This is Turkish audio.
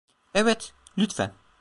Evet, lütfen.